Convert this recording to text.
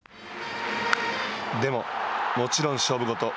でも、もちろん勝負事。